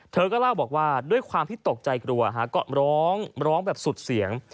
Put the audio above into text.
เธอก็เล่าบอกว่าด้วยความที่ตกใจกลัวก็ร้องร้องแบบสุดเสียง